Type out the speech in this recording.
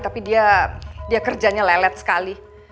tapi dia kerjanya lelet sekali